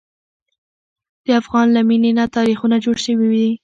د افغان له مینې نه تاریخونه جوړ شوي دي.